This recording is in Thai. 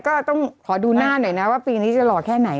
ก็ต้องขอดูหน้าหน่อยนะว่าปีนี้จะหล่อแค่ไหน